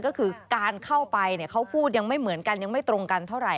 ก็คือการเข้าไปเขาพูดยังไม่เหมือนกันยังไม่ตรงกันเท่าไห